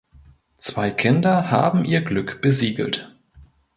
Zwei Kinder haben ihr Glück besiegelt.